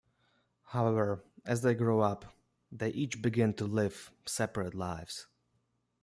However, as they grow up, they each begin to live separate lives.